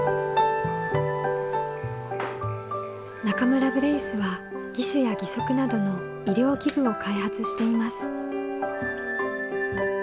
中村ブレイスは義手や義足などの医療器具を開発しています。